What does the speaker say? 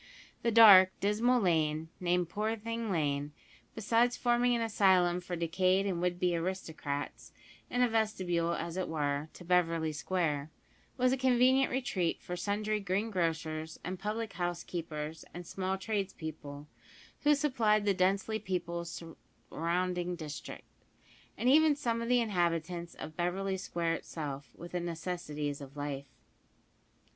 The dark, dismal lane, named Poorthing Lane, besides forming an asylum for decayed and would be aristocrats, and a vestibule, as it were, to Beverly Square, was a convenient retreat for sundry green grocers and public house keepers and small trades people, who supplied the densely peopled surrounding district, and even some of the inhabitants of Beverly Square itself, with the necessaries of life.